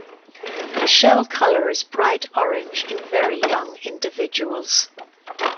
The shell color is bright orange in very young individuals.